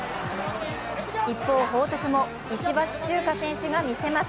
一方、報徳も石橋チューカ選手が見せます。